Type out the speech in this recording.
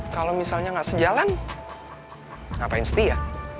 kalau misalnya nggak sejalan ngapain setia